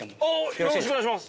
よろしくお願いします